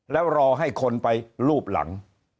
แล้วรอให้คนไปรูปหลัง